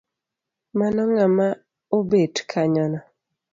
Mano ngama obet kanyono.